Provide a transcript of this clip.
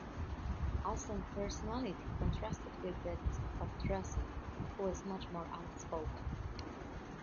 Alston's personality contrasted with that of Dressen, who was much more outspoken.